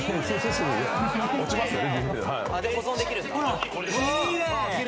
落ちますよね。